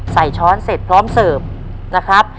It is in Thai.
ใส่ช้อนเสร็จพร้อมเสริมนะครับ